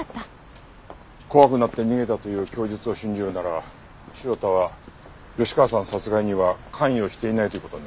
怖くなって逃げたという供述を信じるなら潮田は吉川さん殺害には関与していないという事になる。